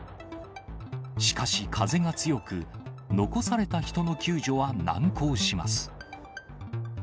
しかし、風が強く、残された人の救助は難航します。